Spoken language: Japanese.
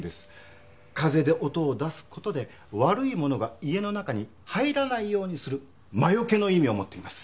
風で音を出す事で悪いものが家の中に入らないようにする魔除けの意味を持っています。